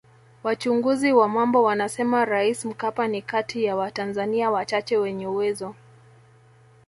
Wachunguzi wa mambo wanasema Rais Mkapa ni kati ya watanzania wachache wenye uwezo